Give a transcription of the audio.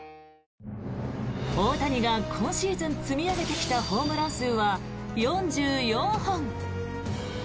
大谷が今シーズン積み上げてきたホームラン数は４４本。